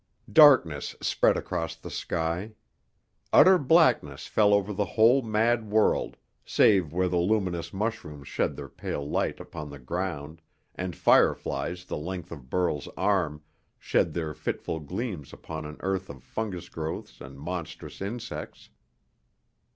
Darkness spread across the sky. Utter blackness fell over the whole mad world, save where the luminous mushrooms shed their pale light upon the ground and fireflies the length of Burl's arm shed their fitful gleams upon an earth of fungus growths and monstrous insects.